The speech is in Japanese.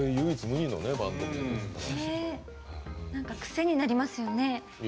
癖になりますよね。